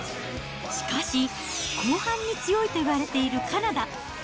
しかし、後半に強いといわれているカナダ。